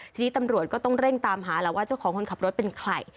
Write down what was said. ทีนี้ตำรวจก็ต้องเร่งตามหาแล้วว่าเจ้าของคนขับรถเป็นใคร